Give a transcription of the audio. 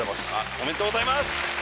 おめでとうございます！